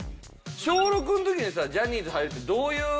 小６の時にさジャニーズ入るってどういうノリなん？